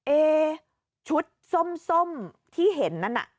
เอ๊ชุดส้มที่เห็นนั่นน่ะ